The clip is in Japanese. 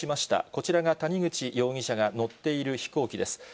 こちらが谷口容疑者が乗っている飛行機です。